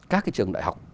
các cái trường đại học